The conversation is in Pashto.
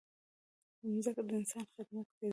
مځکه د انسان خدمت کوي.